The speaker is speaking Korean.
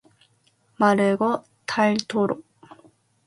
마르고 닳도록